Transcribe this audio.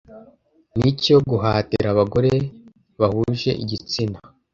nicyo guhatira Abagore bahuje igitsina